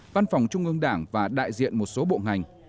văn phòng trung ương đảng và đại diện một số bộ ngành